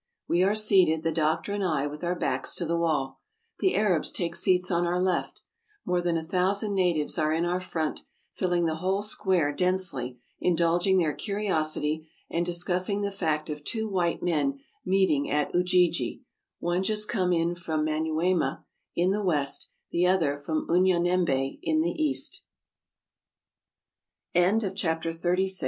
We are seated, the doctor and I, with our backs to the wall. The Arabs take seats on our left. More than a thousand natives are in our front, filling the whole square densely, indulging their curiosity, and discussing the fact of two white men meeting at Ujiji — one just come from Manu yema, in the west; the other fro